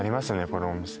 このお店。